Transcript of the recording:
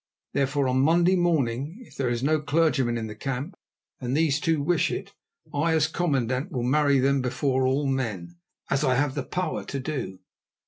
Therefore, on Monday morning, if there is no clergyman in the camp and these two wish it, I, as commandant, will marry them before all men, as I have the power to do."